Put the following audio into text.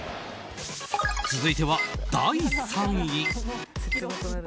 続いては第３位！